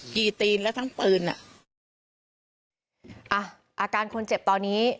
ีตีนแล้วทั้งปืนอ่ะอาการคนเจ็บตอนนี้